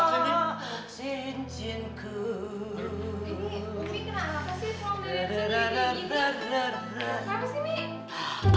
soalnya dia cenderung gitu